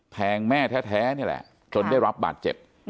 แม่แท้นี่แหละจนได้รับบาดเจ็บ